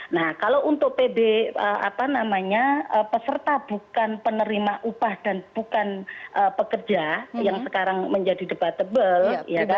nah kalau untuk pb peserta bukan penerima upah dan bukan pekerja yang sekarang menjadi debatable